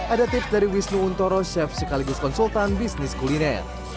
ada tips dari wisnu untoro chef sekaligus konsultan bisnis kuliner